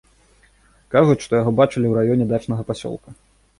Кажуць, што яго бачылі ў раёне дачнага пасёлка.